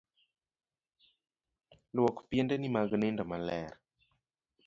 Luok piendeni mag nindo maler.